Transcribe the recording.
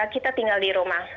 kita tinggal di rumah